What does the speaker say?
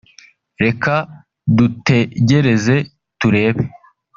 reka dutegereze turebe